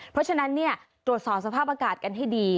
เพราะฉะนั้นตรวจสอบสภาพอากาศกันให้ดี